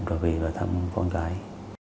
và về và thăm con gái